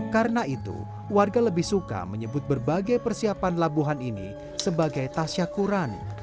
karena itu warga lebih suka menyebut berbagai persiapan labuhan ini sebagai tasyakurani